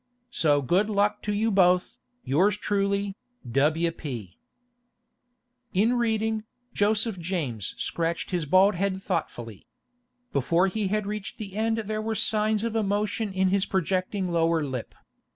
So good luck to you both, from yours truly, W. P.' In reading, Joseph James scratched his bald head thoughtfully. Before he had reached the end there were signs of emotion in his projecting lower lip.